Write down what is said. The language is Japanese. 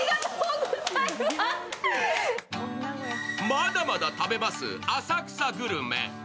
まだまだ食べます、浅草グルメ。